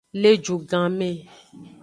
Le ju gan me.